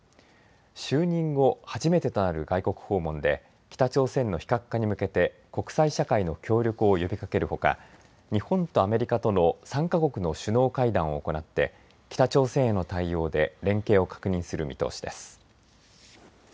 就任後、初めてとなる外国訪問で北朝鮮の非核化に向けて国際社会の協力を呼びかけるほか日本とアメリカとの３か国の首脳会談を行って北朝鮮への対応で連携を確認する見通しです。